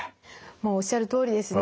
もうおっしゃるとおりですね。